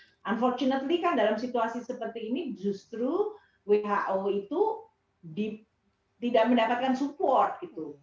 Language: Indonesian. alhamdulillah kan dalam situasi seperti ini justru who itu tidak mendapatkan dukungan gitu